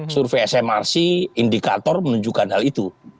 survei smrc indikator menunjukkan hal itu